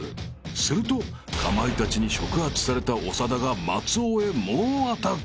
［するとかまいたちに触発された長田が松尾へ猛アタック］